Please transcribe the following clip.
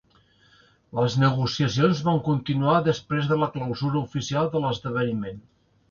Les negociacions van continuar després de la clausura oficial de l'esdeveniment.